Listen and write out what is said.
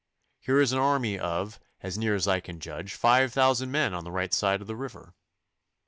Here is an army of, as near as I can judge, five thousand men on the right side of the river.